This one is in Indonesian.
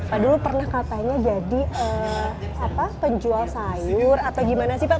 pak dulu pernah katanya jadi penjual sayur atau gimana sih pak